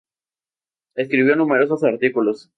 Escribió numerosos artículos.